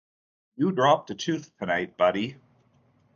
You dropped a tooth tonight, buddy.